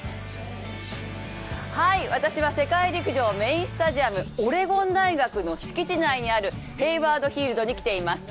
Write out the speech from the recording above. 私は世界陸上メインスタジアム、オレゴン大学の敷地内にあるヘイワード・フィールドに来ています。